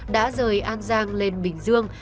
đã rời an giang lên bình dương